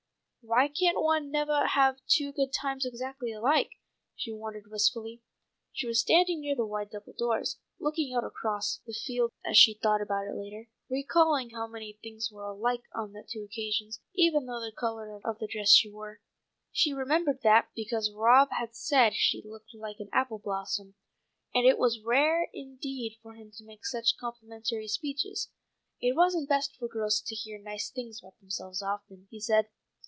"Why can one nevah have two good times exactly alike?" she wondered wistfully. She was standing near the wide double doors, looking out across the fields as she thought about it later, recalling how many things were alike on the two occasions, even the colour of the dress she wore. She remembered that because Rob had said she looked like an apple blossom, and it was rare indeed for him to make such complimentary speeches. It wasn't best for girls to hear nice things about themselves often, he said.